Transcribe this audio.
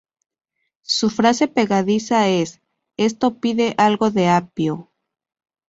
Su frase pegadiza es "¡Esto pide algo de apio!